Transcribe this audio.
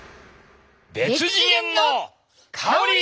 別次元の香り！